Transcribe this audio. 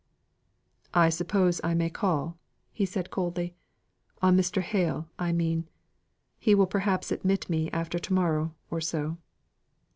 "I suppose I may call," said he coldly. "On Mr. Hale, I mean. He will perhaps admit me after to morrow or so."